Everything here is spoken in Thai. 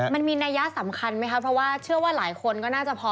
มันมีนัยสำคัญไหมคะเพราะว่าเชื่อว่าหลายคนก็น่าจะพอ